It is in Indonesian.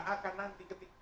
akan akan nanti ketika